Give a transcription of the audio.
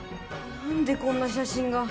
なんでこんな写真が。